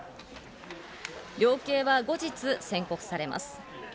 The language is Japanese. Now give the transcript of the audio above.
量刑は後日宣告されます。